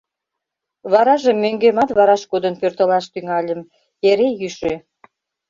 Варажым мӧҥгемат вараш кодын пӧртылаш тӱҥальым, эре йӱшӧ.